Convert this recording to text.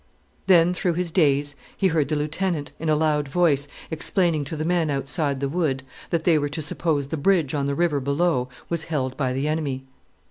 Then, through his daze, he heard the lieutenant, in a loud voice, explaining to the men outside the wood, that they were to suppose the bridge on the river below was held by the enemy.